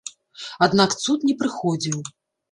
Аднак цуд не прыходзіў.